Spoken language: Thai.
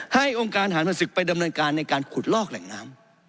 องค์การฐานพระศึกไปดำเนินการในการขุดลอกแหล่งน้ำ